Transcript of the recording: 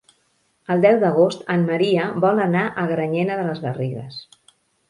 El deu d'agost en Maria vol anar a Granyena de les Garrigues.